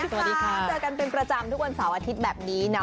สวัสดีค่ะเจอกันเป็นประจำทุกวันเสาร์อาทิตย์แบบนี้เนาะ